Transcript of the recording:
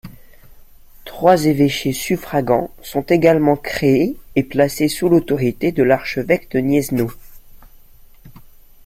Trois évêchés suffragants sont également créées et placés sous l’autorité de l’archevêque de Gniezno.